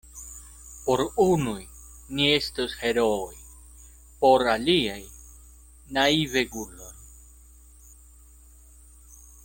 Por unuj, ni estos herooj; por aliaj, naiveguloj.